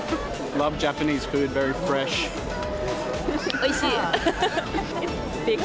おいしい。